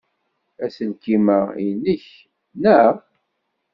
Aselkim-a nnek, naɣ?